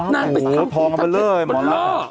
นั่นไปสามคู่มันเหลือ